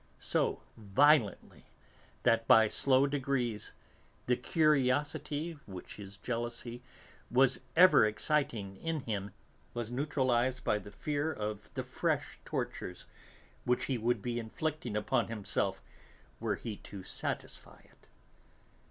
So violently, that by slow degrees the curiosity which his jealousy was ever exciting in him was neutralised by his fear of the fresh tortures which he would be inflicting upon himself were he to satisfy it.